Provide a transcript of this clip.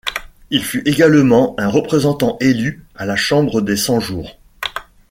Il fut également un représentant élu à la Chambre des Cent-Jours.